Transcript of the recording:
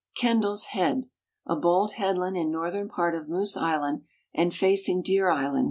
Kendall's head, a bold headland in northern part of Moose island and facing Deer island.